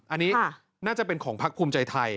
อันนี้น่าจะเป็นของพักภูมิใจไทย